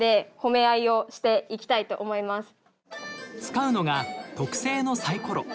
使うのが特製のサイコロ。